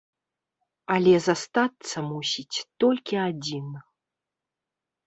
Але застацца мусіць толькі адзін!